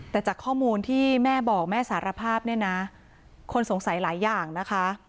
แต่จากข้อมูลที่แม่บอกแม่สารภาพเนี่ยนะคนสงสัยหลายอย่างนะคะ